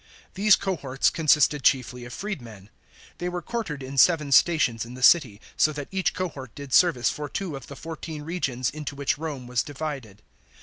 These cohorts consisted chiefly of freedmen. They were quartered in seven stations in the city, so that each cohort did service for two of the fourteen regions into which Rome was divided.